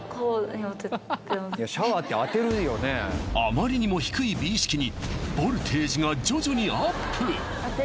あまりにも低い美意識にボルテージが徐々にアップ